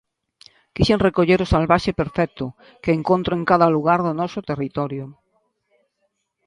Quixen recoller o salvaxe perfecto, que encontro en cada lugar do noso territorio.